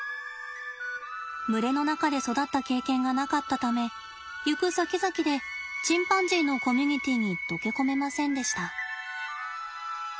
群れの中で育った経験がなかったため行くさきざきでチンパンジーのコミュニティーに溶け込めませんでした。